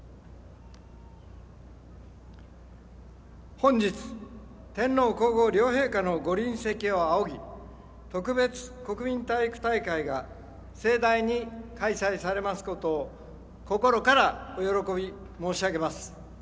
本日、天皇皇后両陛下の御臨席を仰ぎ特別国民体育大会が盛大に開催されますことを心からお喜び申し上げます。